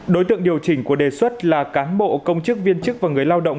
đối tượng điều chỉnh của đề xuất là cán bộ công chức viên chức và người lao động